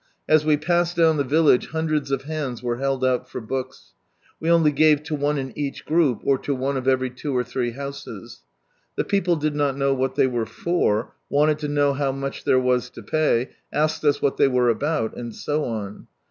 As we passed down the village hundreds of hands were held out for books : we only gave to one in every group, or to one of every two or three houses. The people did not know what they were for, wanted to know how much there was to pay, asked us what they were about, and so on.